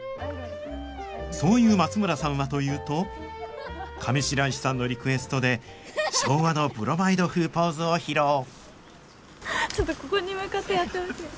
そういう松村さんはというと上白石さんのリクエストで昭和のブロマイド風ポーズを披露ちょっとここに向かってやってほしい。